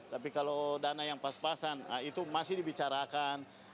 tapi kalau dana yang pas pasan itu masih dibicarakan